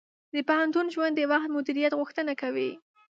د پوهنتون ژوند د وخت مدیریت غوښتنه کوي.